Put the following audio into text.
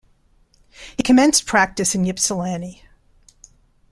He commenced practice in Ypsilanti.